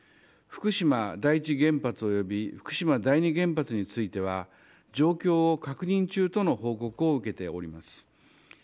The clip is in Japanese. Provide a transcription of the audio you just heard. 福島第一原発及び福島第二原発については状況を確認中との報告を受けております。